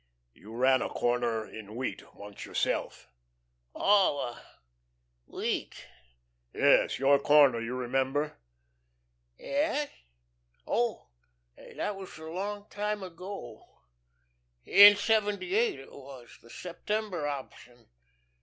You ran a corner in wheat once yourself." "Oh.... Wheat." "Yes, your corner. You remember?" "Yes. Oh, that was long ago. In seventy eight it was the September option.